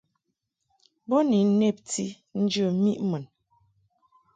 Bo ni nnebti njə miʼ mun.